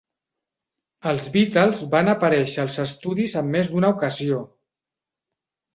Els Beatles van aparèixer als estudis en més d'una ocasió.